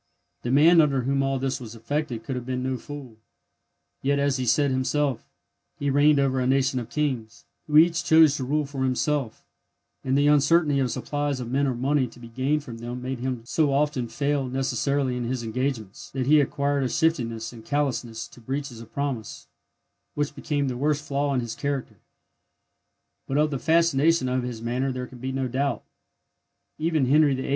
The man under whom all this was effected could have been no fool; yet, as he said himself, he reigned over a nation of kings, who each chose to rule for himself; and the uncertainty of supplies of men or money to be gained from them made him so often fail necessarily in his engagements, that he acquired a shiftiness and callousness to breaches of promise, which became the worst flaw in his character. But of the fascination of his manner there can be no doubt. Even Henry VIII.